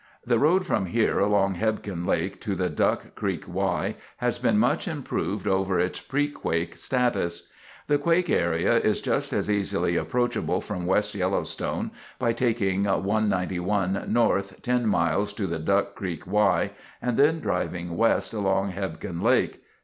The road from here along Hebgen Lake to the Duck Creek Y has been much improved over its pre quake status. The Quake Area is just as easily approachable from West Yellowstone by taking 191 north 10 miles to the Duck Creek Y, and then driving west along Hebgen Lake.